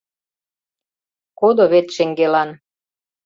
Кодо вет шеҥгелан.